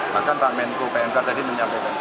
bahkan pak menko pmk tadi menyampaikan